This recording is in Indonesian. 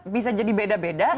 bisa jadi beda beda